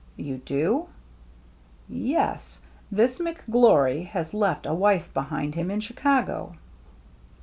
"You do?" " Yes. This McGlory has left a wife behind him in Chicago."